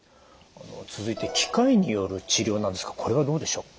続いて機械による治療なんですがこれはどうでしょう？